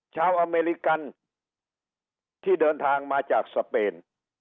อเมริกันที่เดินทางมาจากสเปน